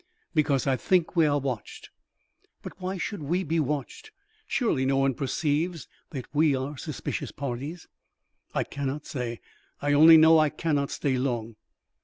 "Because I think we are watched." "But why should we be watched? Surely no one perceives that we are suspicious parties?" "I cannot say. I only know I cannot stay long."